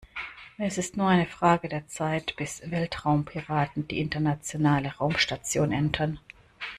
Es ist nur eine Frage der Zeit, bis Weltraumpiraten die Internationale Raumstation entern.